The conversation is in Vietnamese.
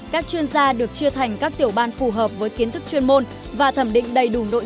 các chuyên gia được chia thành các tiểu ban phù hợp với kiến thức chuyên môn và thẩm định đầy đủ nội